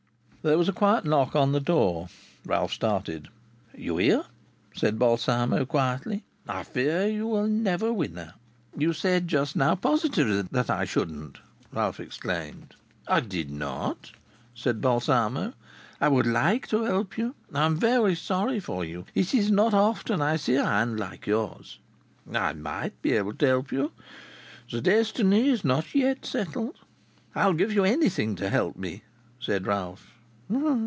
There was a quiet knock on the door. Ralph started. "You hear," said Balsamo, quietly, "I fear you will never win her." "You said just now positively that I shouldn't," Ralph exclaimed. "I did not," said Balsamo. "I would like to help you. I am very sorry for you. It is not often I see a hand like yours. I might be able to help you; the destiny is not yet settled." "I'll give you anything to help me," said Ralph.